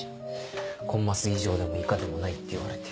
「コンマス以上でも以下でもない」って言われて。